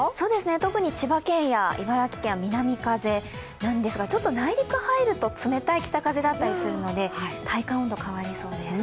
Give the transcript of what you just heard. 特に千葉県や茨城県は南風なんですがちょっと内陸入ると冷たい北風だったりするので体感温度、変わりそうです。